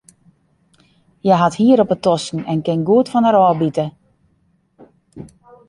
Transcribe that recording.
Hja hat hier op de tosken en kin goed fan har ôfbite.